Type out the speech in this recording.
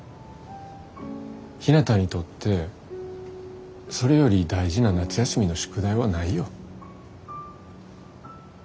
ひなたにとってそれより大事な夏休みの宿題はないよ。